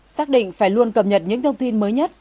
xác định phải luôn cập nhật những thông tin mới nhất